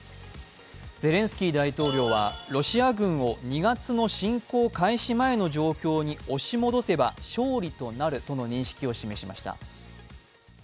ゼレンスキー大統領はロシア軍を２月の侵攻開始前の状況に押し戻せば勝利となるとの認識を示しました。